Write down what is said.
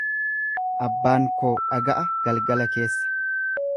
Abbaan koo dhaga'a galgala keessa.